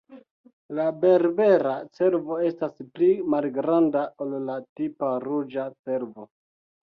La Berbera cervo estas pli malgranda ol la tipa ruĝa cervo.